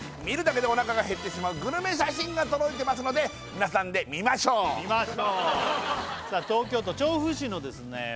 見るだけでお腹が減ってしまうグルメ写真が届いていますので見ましょうさあ東京都調布市のですね